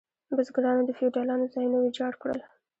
بزګرانو د فیوډالانو ځایونه ویجاړ کړل.